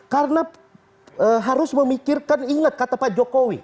karena harus memikirkan ingat kata pak jokowi